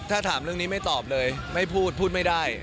ถ้าถามเรื่องนี้ไม่ตอบเลยไม่พูดพูดไม่ได้